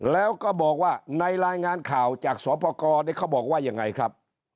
แล้วก็บอกว่าในรายงานข่าวจากสปกรเขาบอกว่ายังไงครับ